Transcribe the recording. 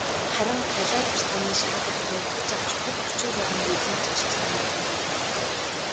Харин голио царцааны шаагих дуу хүч авч бүх орчин тойрныг эзэмдэх шиг санагдана.